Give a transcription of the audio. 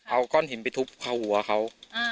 เอาก้อนหินไปทุบเข้าหัวเขา